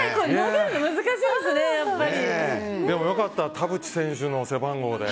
でもよかった田淵選手の背番号で。